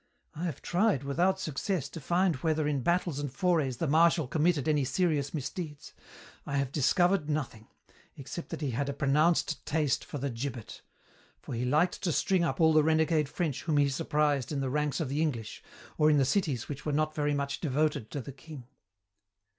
I have tried, without success, to find whether in battles and forays the Marshal committed any serious misdeeds. I have discovered nothing, except that he had a pronounced taste for the gibbet; for he liked to string up all the renegade French whom he surprised in the ranks of the English or in the cities which were not very much devoted to the king.